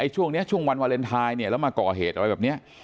ช่วงวันวาเลนไทยแล้วมาก่อเหตุอะไรแบบนี้